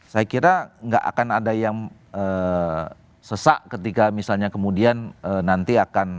saya kira nggak akan ada yang sesak ketika misalnya kemudian nanti akan